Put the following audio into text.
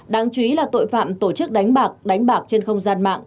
đáng chú ý là tội phạm tổ chức đánh bạc đánh bạc trên không gian mạng